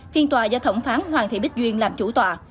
phiên tòa do thẩm phán hoàng thị bích duyên làm chủ tòa